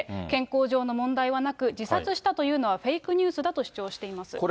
健康情報の問題はなく、自殺したというのはフェイクニュースだと主張しています。